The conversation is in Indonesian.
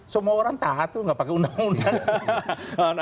semua orang tahu gak pakai undang undang